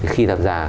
khi tham gia